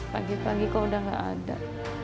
pagi pagi kok udah gak ada